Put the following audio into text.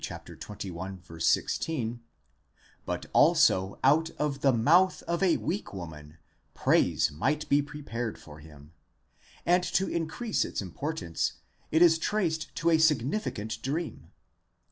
xxi. 16), but also out of the mouth of a weak woman, praise might be pre pared for him; and to increase its importance it is traced to a significant dream.